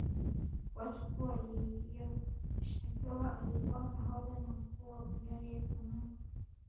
watu Waliyoshitakiwa alikuwa nahodha na mkuu wa bandari ya kemondo